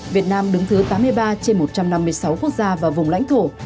việt nam đứng thứ tám mươi ba trên một trăm năm mươi sáu quốc gia và vùng lãnh thổ